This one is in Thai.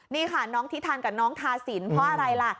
นี่ค่ะน้องทิทันกับน้องทาสินเพราะอะไรล่ะ